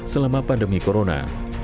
selama pandemi corona